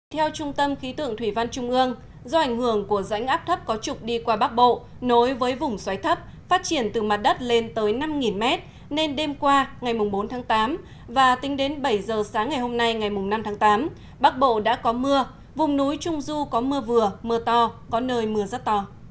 theo trung tâm khí tượng thủy văn trung ương do ảnh hưởng của rãnh áp thấp có trục đi qua bắc bộ nối với vùng xoáy thấp phát triển từ mặt đất lên tới năm m nên đêm qua ngày bốn tháng tám và tính đến bảy giờ sáng ngày hôm nay ngày năm tháng tám bắc bộ đã có mưa vùng núi trung du có mưa vừa mưa to có nơi mưa rất to